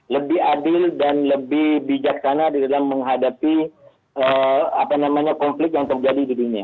lebih adil dan lebih bijaksana di dalam menghadapi konflik yang terjadi di dunia